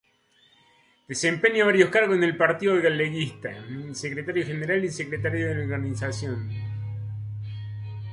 Desempeña varios cargos en el Partido Galeguista: secretario general y secretario de organización.